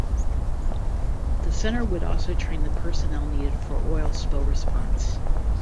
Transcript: The centre would also train the personnel needed for oil spill response.